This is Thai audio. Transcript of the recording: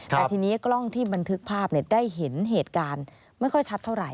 แต่ทีนี้กล้องที่บันทึกภาพได้เห็นเหตุการณ์ไม่ค่อยชัดเท่าไหร